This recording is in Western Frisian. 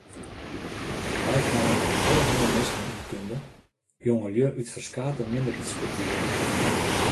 Tenei kaam er mei alderhanne minsken yn ’e kunde, jongelju út ferskate minderheidskultueren.